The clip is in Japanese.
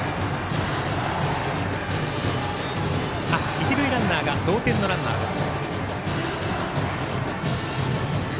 一塁ランナーが同点のランナーです。